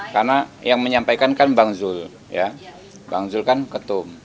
karena yang menyampaikan kan bang zul ya bang zul kan ketum